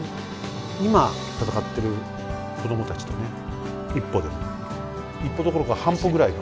今戦ってる子供たちとね一歩でも一歩どころか半歩ぐらい。